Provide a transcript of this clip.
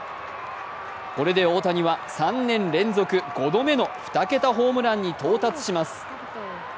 これで大谷は３年連続５度目の２桁ホームランに到達します。